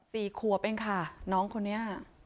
สี่ขวบเองค่ะน้องคนนี้